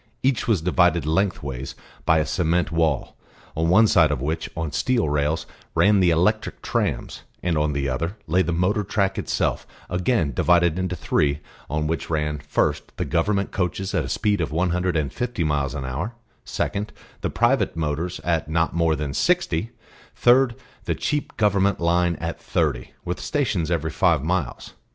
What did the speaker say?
Each was divided length ways by a cement wall, on one side of which, on steel rails, ran the electric trams, and on the other lay the motor track itself again divided into three, on which ran, first the Government coaches at a speed of one hundred and fifty miles an hour, second the private motors at not more than sixty, third the cheap Government line at thirty, with stations every five miles.